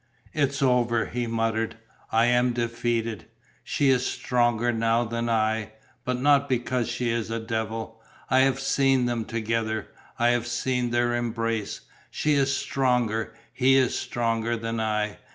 "It's over," he muttered. "I am defeated. She is stronger now than I, but not because she is a devil. I have seen them together. I have seen their embrace. She is stronger, he is stronger than I